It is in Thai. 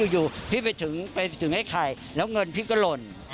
อยู่พี่ไปถึงไอ้ไข่แล้วเงินพี่ก็หล่น